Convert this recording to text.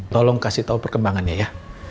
tolong kasih tahu perkembangannya ya